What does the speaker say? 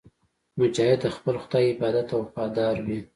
مجاهد د خپل خدای عبادت ته وفادار وي.